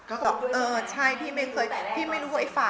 เออใช่พี่ไม่รู้ว่าไอ้ฝาก